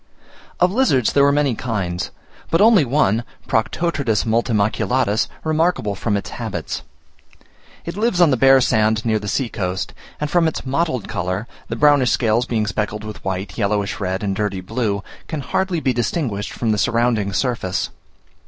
Of lizards there were many kinds, but only one (Proctotretus multimaculatus) remarkable from its habits. It lives on the bare sand near the sea coast, and from its mottled colour, the brownish scales being speckled with white, yellowish red, and dirty blue, can hardly be distinguished from the surrounding surface.